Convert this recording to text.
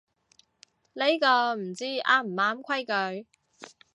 呢個唔知啱唔啱規矩